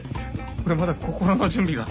俺まだ心の準備が